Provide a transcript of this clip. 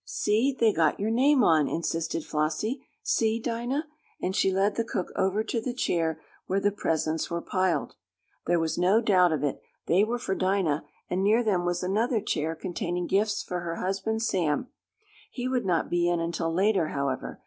See, they've got your name on!" insisted Flossie. "See, Dinah!" and she led the cook over to the chair where the presents were piled. There was no doubt of it, they were for Dinah, and near them was another chair containing gifts for her husband, Sam. He would not be in until later, however.